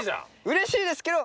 うれしいですけど。